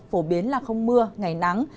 phổ biến là không mưa ngày nắng